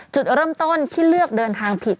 จุดเริ่มต้นที่เลือกเดินทางผิด